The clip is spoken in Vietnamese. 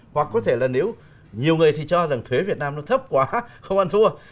hoặc có thể là nếu nhiều người thì cho rằng thuế việt nam nó thấp quá khác không ăn thua